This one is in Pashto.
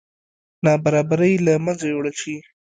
نابرابرۍ له منځه یوړل شي.